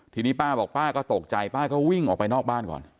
ทีนี้ป้าบอกป้าก็ตกใจป้าก็วิ่งออกไปนอกบ้านก่อน